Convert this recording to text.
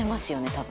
多分。